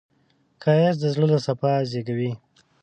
ښایست د زړه له صفا زېږېږي